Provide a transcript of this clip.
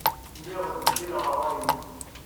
Lliɣ ttbeddileɣ ṛṛay-inu.